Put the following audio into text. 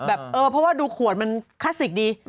เออเพราะว่าดูขวดมันคลาสสิกดี